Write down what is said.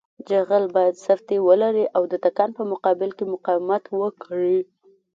جغل باید سفتي ولري او د تکان په مقابل کې مقاومت وکړي